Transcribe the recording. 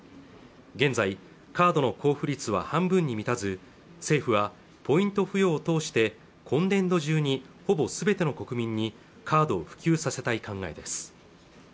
現在カードの交付率は半分に満たず政府はポイント付与を通して今年度中にほぼすべての国民にカードを普及させたい考えです